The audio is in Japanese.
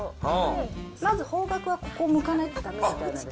まず方角はここ向かないとだめみたいなんで。